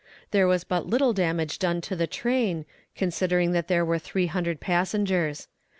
There was but little damage done to the train, considering that there were three hundred passengers.